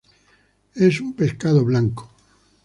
Es un pescado blanco.